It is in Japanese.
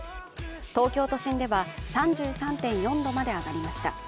東京都心では３３．４度まで上がりました。